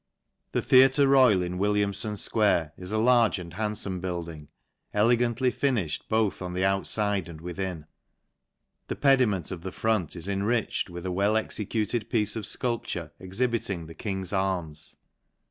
I The Theatre Rtyal, in Willi amf on fquare^ is a large id handfome building, elegantly finifhed both on le outfide and within. The pediment of the front inriched with a well executed piece of fculpture, shibiting the king's arms.